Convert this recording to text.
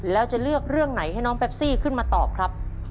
แล้วจะเลือกเรื่องไหนให้น้องแปปซี่ขึ้นมาตอบครับ